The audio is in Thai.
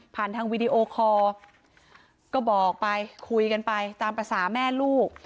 ทางวีดีโอคอร์ก็บอกไปคุยกันไปตามภาษาแม่ลูก